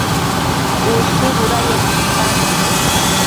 Ushë budayec nidtan